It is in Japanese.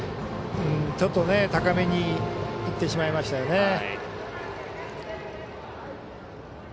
ちょっと高めにいってしまいましたよね。